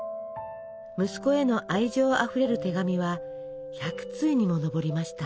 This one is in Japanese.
息子への愛情あふれる手紙は１００通にも上りました。